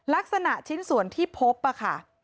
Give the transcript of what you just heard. ลักษณะชิ้นส่วนที่พบค่ะ